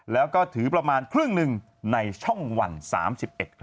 แล้วก็ถือประมาณครึ่งหนึ่งในช่องวัน๓๑ครับ